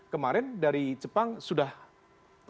kemarin dari jepang sudah angkat tangan